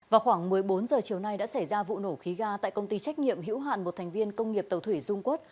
vào khoảng một mươi bốn h chiều nay đã xảy ra vụ nổ khí ga tại công ty trách nhiệm hữu hạn một thành viên công nghiệp tàu thủy dung quốc